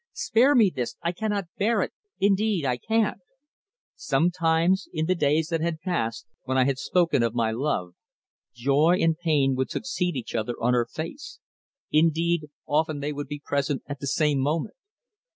Spare me this. I cannot bear it! Indeed I can't." Sometimes, in the days that had passed, when I had spoken of my love, joy and pain would succeed each other on her face; indeed, often they would be present at the same moment.